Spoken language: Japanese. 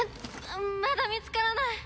まだ見つからない。